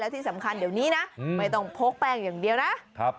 ที่สำคัญเดี๋ยวนี้นะไม่ต้องพกแป้งอย่างเดียวนะ